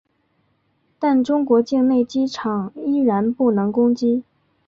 但中国境内机场依然不能攻击。